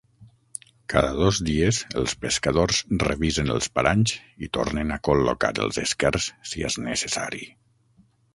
Cada dos dies els pescadors revisen els paranys i tornen a col·locar els esquers si és necessari.